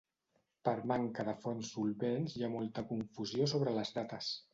Per manca de fonts solvents hi ha molta confusió sobre les dates.